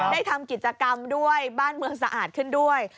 ได้ทำกิจกรรมด้วยบ้านเมืองสะอาดขึ้นด้วย